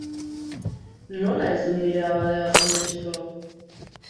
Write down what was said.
Nola ez dut nire abade bat sinetsiko?